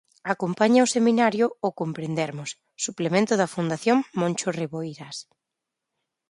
Acompaña o semanario o Comprendermos, suplemento da Fundación Moncho Reboiras.